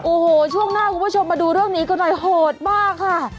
โอ้โหช่วงหน้าคุณผู้ชมมาดูเรื่องนี้กันหน่อยโหดมากค่ะ